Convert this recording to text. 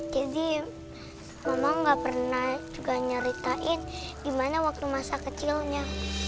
jadi mama gak pernah juga nyeritain gimana waktu masa kecilnya